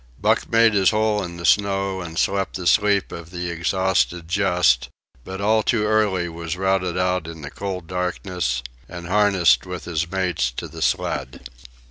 Buck made his hole in the snow and slept the sleep of the exhausted just, but all too early was routed out in the cold darkness and harnessed with his mates to the sled.